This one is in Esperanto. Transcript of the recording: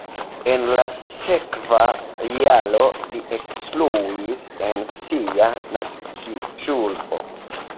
En la sekva jaro li ekinstruis en sia naskiĝurbo.